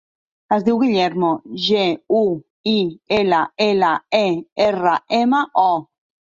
Es diu Guillermo: ge, u, i, ela, ela, e, erra, ema, o.